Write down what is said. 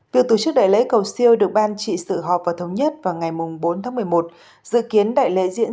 việc tổ chức đại lễ cầu siêu được ban trị sự họp và thống nhất vào ngày bốn tháng một mươi một dự kiến đại lễ diễn